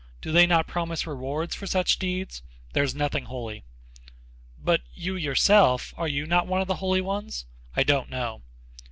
Do they not promise rewards for such deeds?" "There is nothing holy." "But you, yourself, are you not one of the holy ones?" "I don't know."